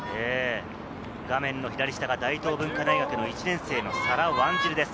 画面の左が大東文化大学の１年生のサラ・ワンジルです。